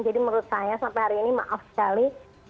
jadi menurut saya sampai hari ini maaf sekali